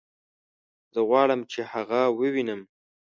زه غواړم چې هغه ووينم